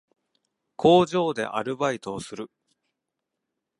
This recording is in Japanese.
工場でアルバイトをする